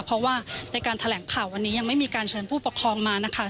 เพราะว่าในการแถลงข่าววันนี้ยังไม่มีการเชิญผู้ปกครองมานะคะ